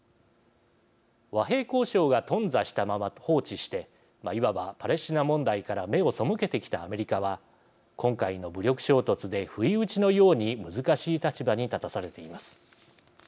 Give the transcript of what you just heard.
和平交渉が頓挫したまま放置していわばパレスチナ問題から目を背けてきたアメリカは今回の武力衝突で不意打ちのように難しい立場に立たされています。